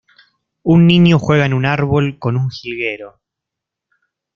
Un niño juega en un árbol con un jilguero.